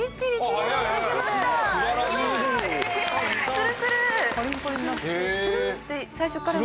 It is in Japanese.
ツルツル！